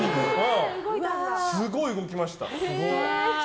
すごい動きました。